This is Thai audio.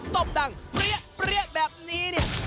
ตบดังเปรี้ยแบบนี้เนี่ย